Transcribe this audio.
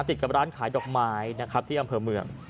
ติดกับร้านขายดอกไม้นะครับที่อำเภอเมือง